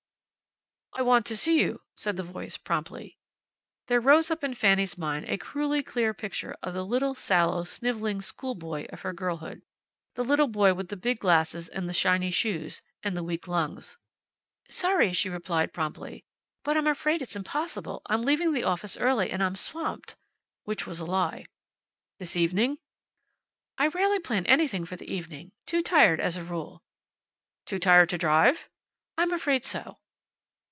"I want to see you," said the voice, promptly. There rose up in Fanny's mind a cruelly clear picture of the little, sallow, sniveling school boy of her girlhood. The little boy with the big glasses and the shiny shoes, and the weak lungs. "Sorry," she replied, promptly, "but I'm afraid it's impossible. I'm leaving the office early, and I'm swamped." Which was a lie. "This evening?" "I rarely plan anything for the evening. Too tired, as a rule." "Too tired to drive?" "I'm afraid so."